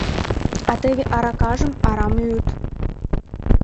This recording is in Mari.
А теве аракажым арам йӱат...